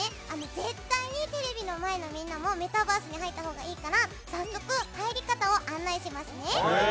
絶対にテレビの前のみんなもメタバースに入ったほうがいいから早速、入り方を案内しますね。